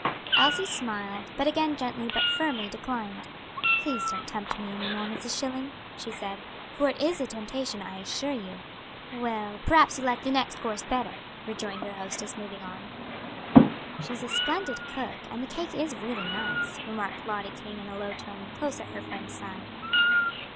Elsie smiled, but again gently but firmly declined. "Please don't tempt me any more, Mrs. Schilling," she said; "for it is a temptation, I assure you." "Well, p'raps you'll like the next course better," rejoined her hostess, moving on. "She's a splendid cook and the cake is really nice," remarked Lottie King in a low tone, close at her friend's side.